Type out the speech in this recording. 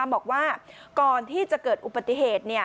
บอกว่าก่อนที่จะเกิดอุบัติเหตุ